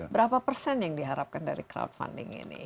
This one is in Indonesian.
berapa persen yang diharapkan dari crowdfunding ini